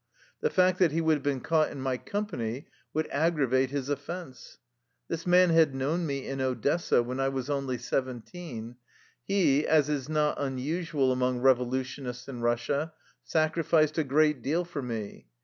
The fact that he would have been caught in my company would aggravate his offense. This man had known me in Odessa, when I was only seventeen. He, as is not unusual among revolutionists in Russia, sacrificed a great deal for me.